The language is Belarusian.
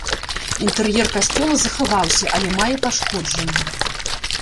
Інтэр'ер касцёла захаваўся, але мае пашкоджанні.